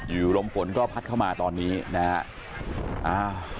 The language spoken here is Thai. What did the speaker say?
อยู่ลมฝนก็พัดเข้ามาตอนนี้นะฮะ